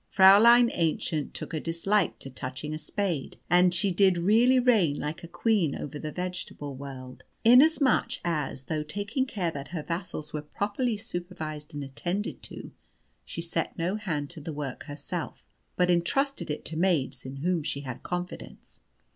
Fräulein Aennchen took a dislike to touching a spade, and she did really reign like a queen over the vegetable world, inasmuch as, though taking care that her vassals were properly supervised and attended to, she set no hand to the work herself, but entrusted it to maids in whom she had confidence.